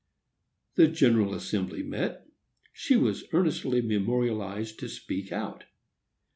The General Assembly met. She was earnestly memorialized to speak out.